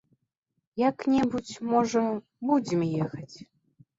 Як-небудзь, можа, будзем ехаць.